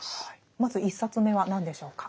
まず１冊目は何でしょうか？